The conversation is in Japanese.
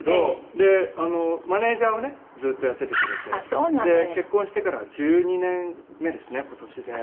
でマネジャーをねずっとやっててくれて結婚してからは１２年目ですね今年で。